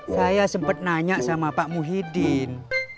saya sempat nanya sama pak muhyiddin